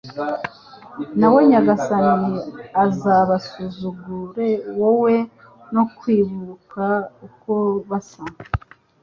nawe Nyagasani uzabasuzugure woye no kwibuka uko basa